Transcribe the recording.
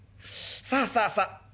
「さあさあさあ